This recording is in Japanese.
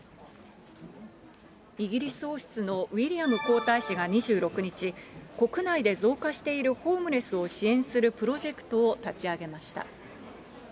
イギリス王室のウィリアム皇太子が２６日、国内で増加しているホームレスを支援するプロジェクトを立ち上げました。